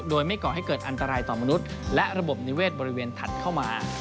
โดยไม่ก่อให้เกิดอันตรายต่อมนุษย์และระบบนิเวศบริเวณถัดเข้ามา